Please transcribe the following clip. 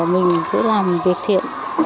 mình cứ làm việc thiện